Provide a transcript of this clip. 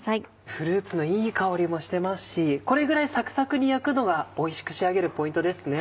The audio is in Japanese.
フルーツのいい香りもしてますしこれぐらいサクサクに焼くのがおいしく仕上げるポイントですね。